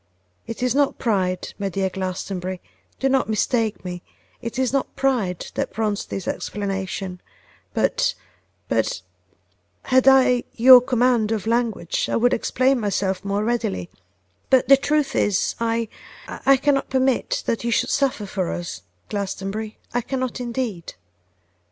It is not pride, my dear Glastonbury; do not mistake me; it is not pride that prompts this explanation; but but had I your command of language I would explain myself more readily; but the truth is, I I I cannot permit that you should suffer for us, Glastonbury, I cannot indeed.